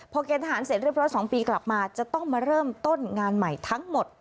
พอเกณฑ์ทหารเสร็จเรียบร้อย๒ปีกลับมาจะต้องมาเริ่มต้นงานใหม่ทั้งหมด